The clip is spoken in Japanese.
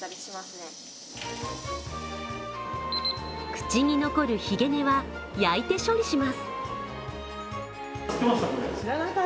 口に残るひげ根は、焼いて処理します。